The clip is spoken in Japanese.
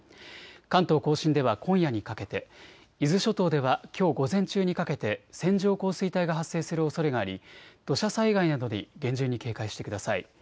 関東甲信では今夜にかけて、伊豆諸島ではきょう午前中にかけて線状降水帯が発生するおそれがあり土砂災害などに厳重に警戒してください。